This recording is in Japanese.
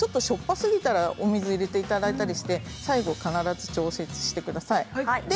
しょっぱかったらお水を入れていただいたりして最後必ず、調節してください。